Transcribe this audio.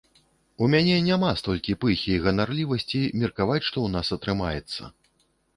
У мяне няма столькі пыхі і ганарлівасці меркаваць, што ў нас атрымаецца.